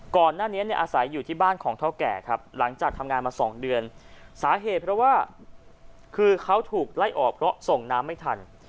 ก่อนหน้านี้เนี่ยอาศัยอยู่ที่บ้านของเท่าแก่ครับหลังจากทำงานมา๒เดือนสาเหตุเพราะว่าคือเขาถูกไล่ออกเพราะส่งน้ำไม่ทัน